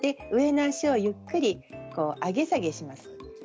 上の足をゆっくりと上げ下げします。